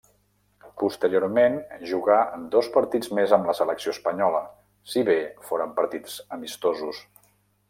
Posteriorment jugà dos partits més amb la selecció espanyola, si bé foren partits amistosos.